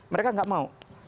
mereka nggak mau